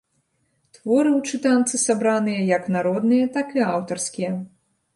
Творы ў чытанцы сабраныя як народныя, так і аўтарскія.